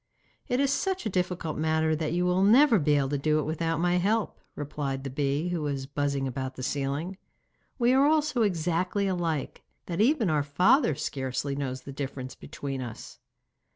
'It is such a difficult matter that you will never be able to do it without my help,' replied the bee, who was buzzing about the ceiling. 'We are all so exactly alike, that even our father scarcely knows the difference between us.